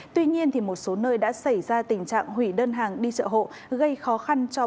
tuy nhiên một số nơi đã xảy ra tình trạng hủy đơn hàng đi chợ hộ gây khó khăn cho